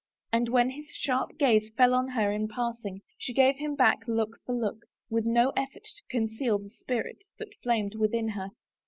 And when his sharp gaze fell on her in passing, she gave him back look for look, with no eflfort to conceal the spirit that flamed within her.